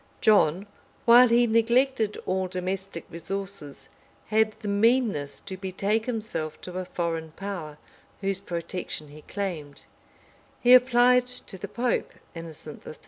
264,] John, while he neglected all domestic resources, had the meanness to betake himself to a foreign power, whose protection he claimed: he applied to the pope, Innocent III.